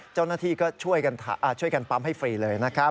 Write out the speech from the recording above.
เจ้าหน้าที่ก็ช่วยกันปั๊มให้ฟรีเลยนะครับ